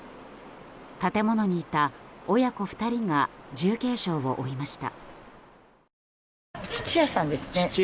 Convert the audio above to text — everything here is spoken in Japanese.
建物にいた親子２人が重軽傷を負いました。